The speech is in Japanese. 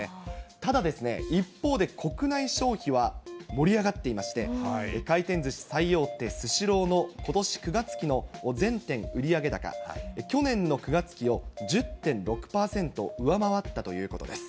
ただですね、一方で国内消費は盛り上がっていまして、回転ずし最大手、スシローのことし９月期の全店売上高、去年の９月期を１０．６％上回ったということです。